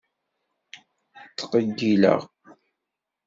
Ttqeyyileɣ.